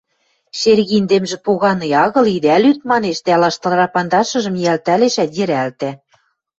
– Шергиндемжӹ поганый агыл, идӓ лӱд... – манеш дӓ лаштыра пандашыжым ниӓлтӓлешӓт, йӹрӓлтӓ.